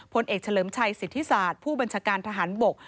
ผลเอกเฉลิมชัยสิทธิศาสตร์ผู้บัญชาการทหารบก